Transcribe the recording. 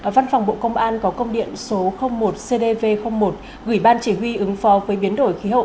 văn phòng bộ công an có công điện số một cdv một gửi ban chỉ huy ứng phó với biến đổi khí hậu